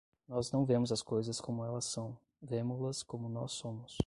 Nós não vemos as coisas como elas são, vemo-las como nós somos.